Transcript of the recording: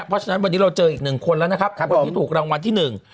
เพราะฉะนั้นวันนี้เราเจออีกหนึ่งคนแล้วนะครับคนที่ถูกรางวัลที่หนึ่ง